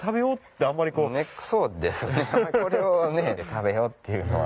そうですねこれを食べようっていうのは。